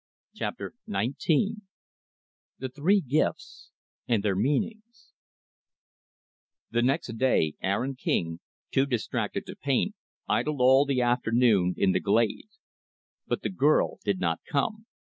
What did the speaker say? Chapter XIX The Three Gifts and Their Meanings The next day, Aaron King too distracted to paint idled all the afternoon in the glade. But the girl did not come.